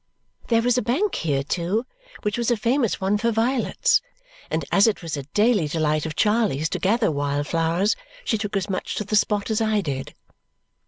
There was a bank here, too, which was a famous one for violets; and as it was a daily delight of Charley's to gather wild flowers, she took as much to the spot as I did.